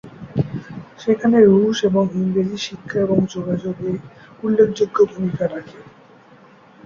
সেখানে রুশ এবং ইংরেজি শিক্ষা এবং যোগাযোগে উল্লেখযোগ্য ভুমিকা রাখে।